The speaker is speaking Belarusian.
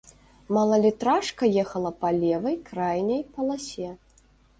Малалітражка ехала па левай крайняй паласе.